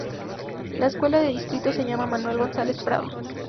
La escuela del distrito se llama Manuel Gonzáles Prada.